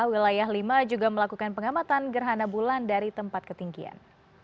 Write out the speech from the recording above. wilayah lima juga melakukan pengamatan gerhana bulan dari tempat ketinggian